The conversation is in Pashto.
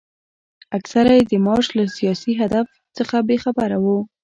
اکثره یې د مارش له سیاسي هدف څخه بې خبره وو.